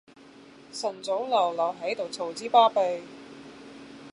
晨早流流喺度嘈之巴閉